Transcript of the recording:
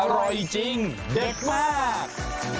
อร่อยจริงเด็ดมาก